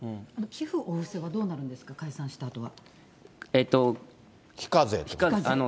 寄付、お布施はどうなるんですか、解散したあとは。